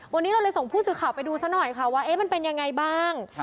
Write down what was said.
วันนี้เราเลยส่งผู้สื่อข่าวไปดูซะหน่อยค่ะว่ามันเป็นยังไงบ้าง